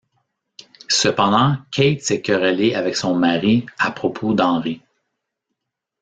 Cependant, Kate s'est querellée avec son mari à propos d'Henry.